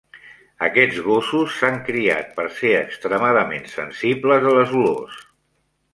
Aquests gossos s'ha criat per ser extremadament sensibles a les olors.